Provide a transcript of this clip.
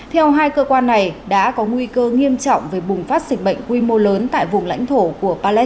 theo hai cơ quan này đã có nguy cơ nghiêm trọng về bùng phát dịch bệnh quy mô lớn tại vùng lãnh trọng